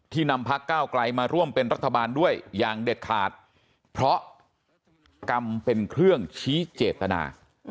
นำพักก้าวไกลมาร่วมเป็นรัฐบาลด้วยอย่างเด็ดขาดเพราะกรรมเป็นเครื่องชี้เจตนา